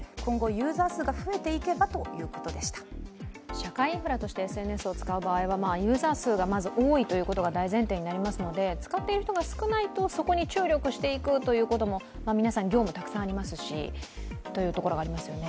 社会インフラとしてＳＮＳを使う場合はユーザー数がまず多いということが大前提になりますので使っている人が少ないと、そこに注力していくことも皆さん、業務たくさんありますしというところがありますよね。